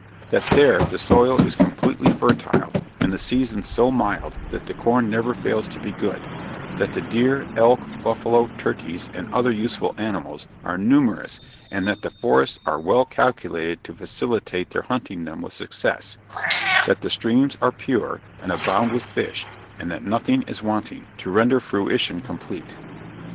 That there the soil is completely fertile, and the seasons so mild that the corn never fails to be good that the deer, elk, buffalo, turkies, and other useful animals, are numerous, and that the forests are well calculated to facilitate their hunting them with success that the streams are pure, and abound with fish: and that nothing is wanting, to render fruition complete.